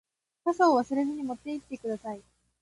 傘を忘れずに持って行ってください。